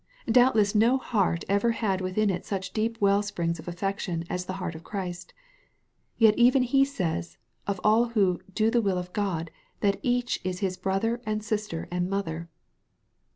Doubtless no heart ever had within it such deep well springs of affection as the heart of Christ. Yet even He says, of all who " do the will of God," that each " is his brother, and sister, and mother."